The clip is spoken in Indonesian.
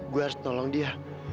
gue harus nolong dia